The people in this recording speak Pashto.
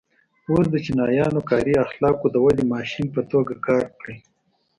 اوس د چینایانو کاري اخلاقو د ودې ماشین په توګه کار کړی.